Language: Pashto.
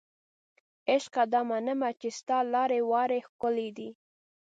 عشقه دا منمه چې ستا لارې واړې ښکلې دي